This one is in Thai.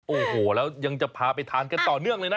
โอ้โหแล้วยังจะพาไปทานกันต่อเนื่องเลยนะ